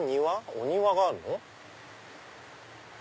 お庭があるの？